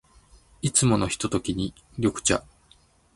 いつものひとときに、緑茶。